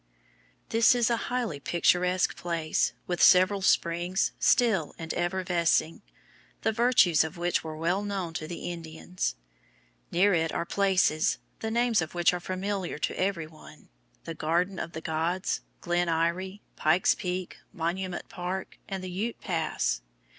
This is a highly picturesque place, with several springs, still and effervescing, the virtues of which were well known to the Indians. Near it are places, the names of which are familiar to every one the Garden of the Gods, Glen Eyrie, Pike's Peak, Monument Park, and the Ute Pass.